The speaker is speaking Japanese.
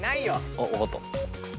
あっ分かった。